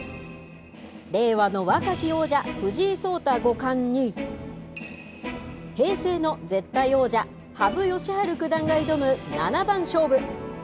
令和の若き王者、藤井聡太五冠に、平成の絶対王者、羽生善治九段が挑む七番勝負。